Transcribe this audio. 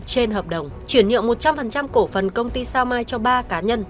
trên hợp đồng chuyển nhượng một trăm linh cổ phần công ty sao mai cho ba cá nhân